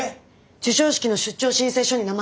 授賞式の出張申請書に名前が。